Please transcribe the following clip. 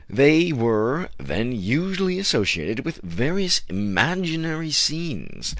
They were then usually associated with various imaginary scenes.